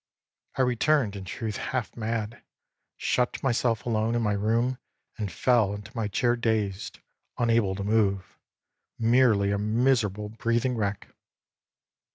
I returned, in truth, half mad, shut myself alone in my room and fell into my chair dazed, unable to move, merely a miserable, breathing wreck.